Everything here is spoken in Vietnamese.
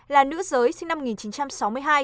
là nữ giới sinh năm một nghìn chín trăm sáu mươi hai